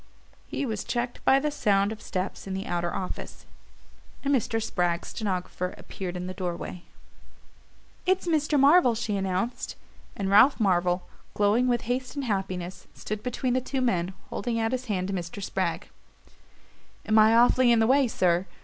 He was checked by the sound of steps in the outer office, and Mr. Spragg's stenographer appeared in the doorway. "It's Mr. Marvell," she announced; and Ralph Marvell, glowing with haste and happiness, stood between the two men, holding out his hand to Mr. Spragg. "Am I awfully in the way, sir?